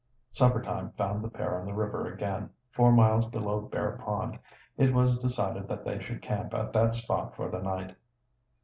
Supper time found the pair on the river again, four miles below Bear Pond. It was decided that they should camp at that spot for the night.